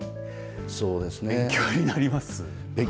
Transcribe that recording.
勉強になります。